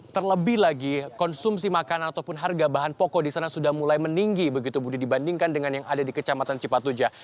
terlebih lagi konsumsi makanan ataupun harga bahan pokok di sana sudah mulai meninggi begitu budi dibandingkan dengan yang ada di kecamatan cipatujah